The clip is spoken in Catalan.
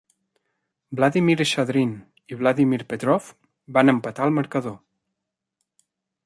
Vladimir Shadrin i Vladimir Petrov van empatar el marcador.